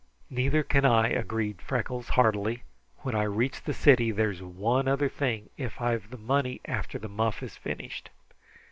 "Neither can I," agreed Freckles heartily. "When I reach the city there's one other thing, if I've the money after the muff is finished."